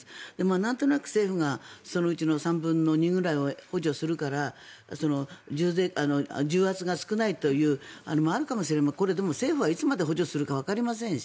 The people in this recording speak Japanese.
なんとなく政府がそのうちの３分の２ぐらいを補助するから重圧が少ないというのもあるかもしれませんがこれ、でも、政府はいつまで補助するかわかりませんし。